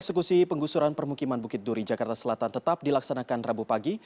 eksekusi penggusuran permukiman bukit duri jakarta selatan tetap dilaksanakan rabu pagi